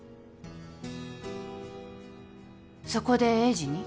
そこで栄治に？